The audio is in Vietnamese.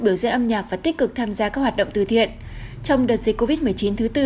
biểu diễn âm nhạc và tích cực tham gia các hoạt động từ thiện trong đợt dịch covid một mươi chín thứ tư